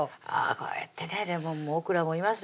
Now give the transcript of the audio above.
こうやってねレモンもオクラもいます